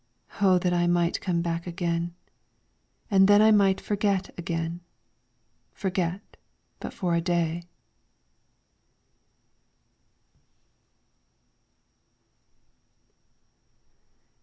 O that I might come back again, And then I might forget again, Forget for but a day